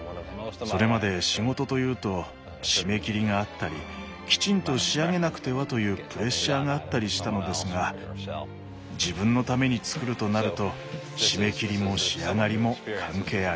それまで仕事というと締め切りがあったりきちんと仕上げなくてはというプレッシャーがあったりしたのですが自分のためにつくるとなると締め切りも仕上がりも関係ありません。